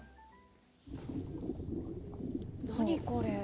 何これ？